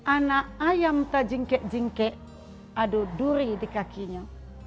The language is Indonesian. anak ayam tak jingkek jingkek ada duri di kakinya